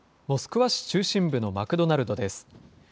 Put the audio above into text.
モスクワ市中心部のマクドナルドです。